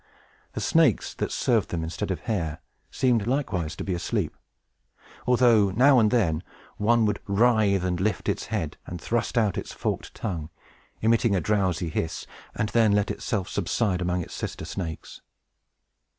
The snakes that served them instead of hair seemed likewise to be asleep; although, now and then, one would writhe, and lift its head, and thrust out its forked tongue, emitting a drowsy hiss, and then let itself subside among its sister snakes.